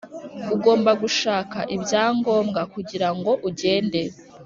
ugomba gushaka ibyangombwa kugira ngo ugende.